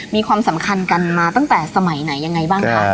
มีความสำคัญกันมาตั้งแต่สมัยไหนยังไงบ้างคะ